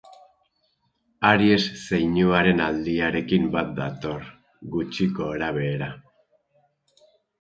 Aries zeinuaren aldiarekin bat dator gutxi gorabehera.